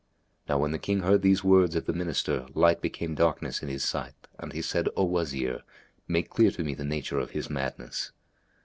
Now when the King heard these words of the Minister, light became darkness in his sight and he said, "O Wazir, make clear to me the nature of his madness."